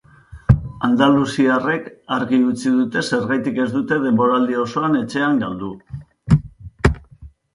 Andaluziarrek argi utzi dute zergaitik ez dute denboraldi osoan etxean galdu.